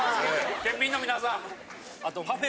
県民の皆さん。